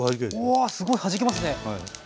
うわすごいはじけますね！